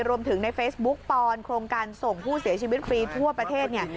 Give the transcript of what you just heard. รวมถึงในเฟซบุ๊กปอนดโครงการส่งผู้เสียชีวิตฟรีทั่วประเทศเนี่ย